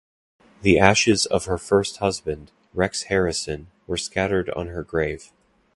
The ashes of her first husband, Rex Harrison, were scattered on her grave.